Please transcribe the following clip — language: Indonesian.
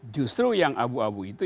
justru yang abu abu itu